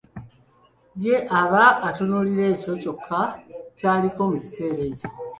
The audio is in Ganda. Ye aba atunuulira ekyo kyokka ky'aliko mu kiseera ekyo.